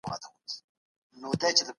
ټولنيز ژوند د مذهب تر تاثير لاندې و.